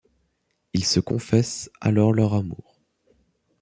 Ils se confessent alors leur amour.